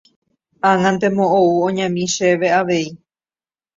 ag̃antemo ou oñami chéve avei.